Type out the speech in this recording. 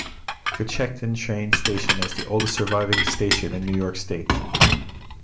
The Cochecton train station is the oldest surviving station in New York State.